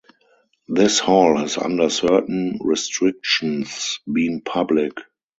This hall has under certain restrictions been public.